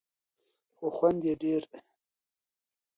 خو خوند یې ډېر دی.